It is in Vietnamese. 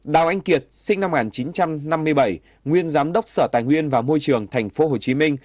đào anh kiệt sinh năm một nghìn chín trăm năm mươi bảy nguyên giám đốc sở tài nguyên và môi trường tp hcm